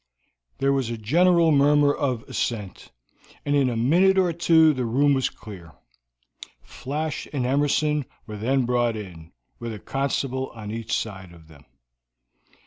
There was a general murmur of assent, and in a minute or two the room was clear. Flash and Emerson were then brought in, with a constable on each side of them.